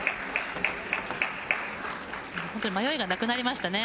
本当に迷いがなくなりましたね